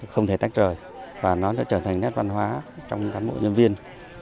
không thể tách rời và nó sẽ trở thành nét văn hóa trong cán bộ nhân viên